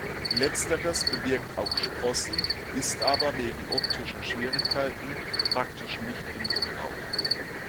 Letzteres bewirkt auch Sprossen, ist aber wegen optischer Schwierigkeiten praktisch nicht in Gebrauch.